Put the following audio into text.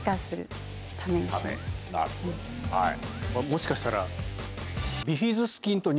もしかしたら。